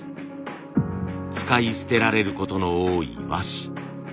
使い捨てられることの多い和紙。